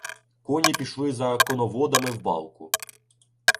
Коні пішли з коноводами в балку.